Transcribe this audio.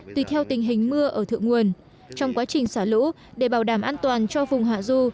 tùy theo tình hình mưa ở thượng nguồn trong quá trình xả lũ để bảo đảm an toàn cho vùng hạ du